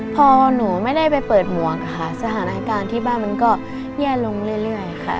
พอหนูไม่ได้ไปเปิดหมวกค่ะสถานการณ์ที่บ้านมันก็แย่ลงเรื่อยค่ะ